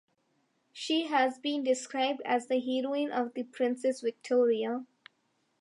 She has been described as the "heroine of the Princess Victoria".